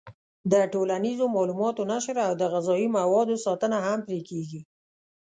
د ټولنیزو معلوماتو نشر او د غذایي موادو ساتنه هم پرې کېږي.